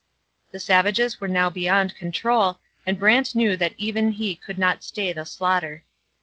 The savages were now beyond control, and Brant knew that even he could not stay the slaughter.